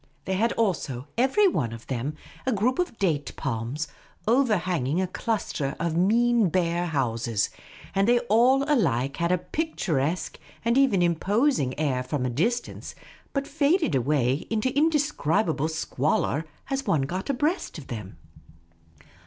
They had also every one of them a group of date palms, overhanging a cluster of mean bare houses ; and they all alike had a picturesque and even im posing air from a distance, but faded away into indescribable squalor as one got abreast of them.